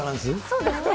そうですね。